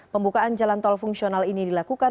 pembukaan jalan tol fungsional ini dilakukan